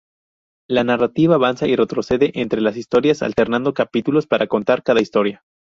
La narrativa avanza y retrocede entre las historias, alternando capítulos para contar cada historia.